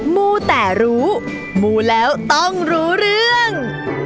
มูแต่รู้มูแล้วต้องรู้เรื่อง